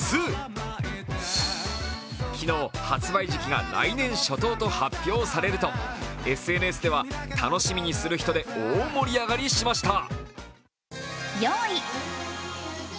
昨日、発売時期が来年初頭と発表されるとＳＮＳでは楽しみにする人で大盛り上がりしました。